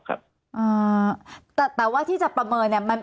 แต่ว่าที่จะประเมินเนี่ย